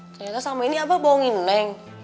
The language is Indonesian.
ternyata sama ini apa bohongin neng